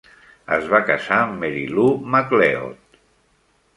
Es va casar amb Mary Lou MacLeod.